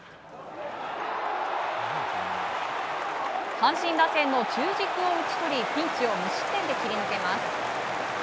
阪神打線の中軸を打ち取りピンチを無失点で切り抜けます。